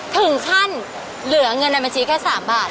ถึงขั้นเหลือเงินในบัญชีแค่๓บาท